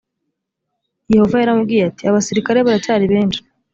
yehova yaramubwiye ati abasirikare baracyari benshi